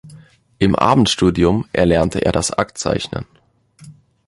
Im Abendstudium erlernte er das Aktzeichnen.